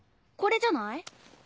これじゃない？